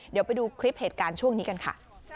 เดี๋ยวไปดูคลิปเหตุการณ์ช่วงนี้กันค่ะ